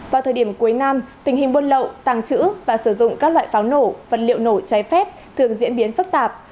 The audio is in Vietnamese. vào thời điểm cuối năm tình hình buôn lậu tàng trữ và sử dụng các loại pháo nổ vật liệu nổ trái phép thường diễn biến phức tạp